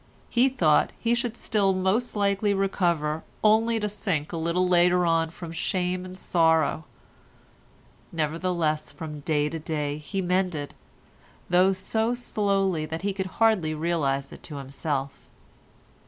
He thought he should still most likely recover only to sink a little later on from shame and sorrow; nevertheless from day to day he mended, though so slowly that he could hardly realise it to himself.